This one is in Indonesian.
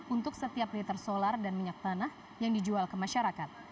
untuk setiap liter solar dan minyak tanah yang dijual ke masyarakat